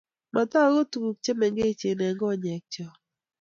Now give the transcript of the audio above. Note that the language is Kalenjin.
Matagu tuguk chemengechen eng konyekcho